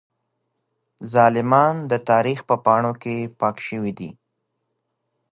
ظالمان د تاريخ په پاڼو کې پاک شوي دي.